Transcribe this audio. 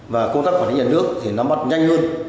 và công tác quản lý nhà nước thì nắm mắt nhanh hơn